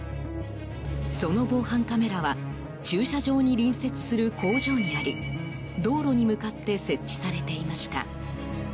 その防犯カメラは駐車場に隣接する工場にあり道路に向かって設置されていました。